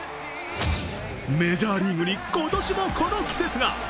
メジャーリーグに今年もこの季節が。